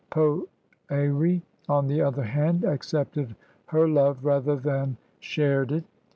Potiri, on the other hand, accepted her love rather than shared it.